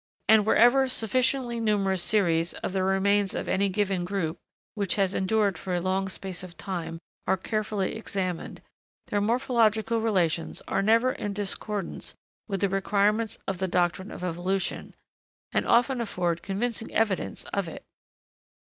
And, wherever sufficiently numerous series of the remains of any given group, which has endured for a long space of time, are carefully examined, their morphological relations are never in discordance with the requirements of the doctrine of evolution, and often afford convincing evidence of it.